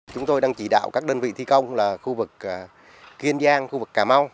chúng tôi đang chỉ đạo các đơn vị thi công là khu vực kiên giang khu vực cà mau